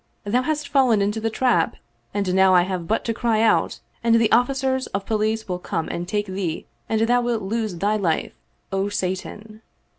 Thou hast fallen into the trap and now I have but to cry out and the ofiicers of police will come and take thee and thou wilt lose thy life, O Satan!"